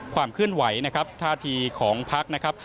ความเคลื่อนไหวนะครับท่าทีของพักนะครับ